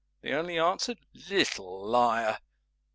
They only answered "Little Liar!"